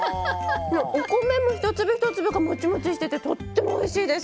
お米も一粒一粒がもちもちしていてとってもおいしいです！